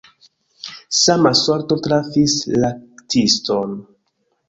Sama sorto trafis laktiston.